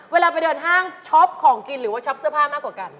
เวลาไปเดินห้างช็อปของกินหรือว่าช็อปเสื้อผ้ามากกว่ากัน